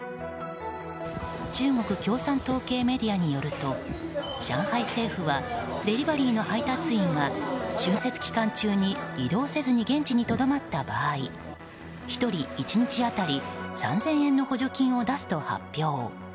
中国共産党系メディアによると上海政府はデリバリーの配達員が春節期間中に移動せずに現地にとどまった場合１人１日当たり３０００円の補助金を出すと発表。